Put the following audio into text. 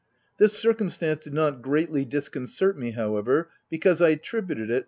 This circumstance did not greatly disconcert me however, because, I attributed it.